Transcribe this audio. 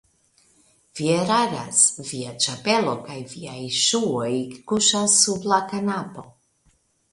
Vi eraras, via ĉapelo kaj viaj ŝuoj kuŝas sub la kanapo.